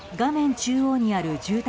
中央にある住宅